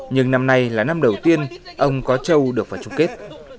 nhưng năm nay là năm đầu tiên ông có châu được vào chung kết